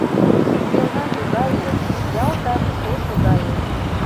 Шӱмбелна тугае, ялтак шошо гае.